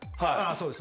そうです。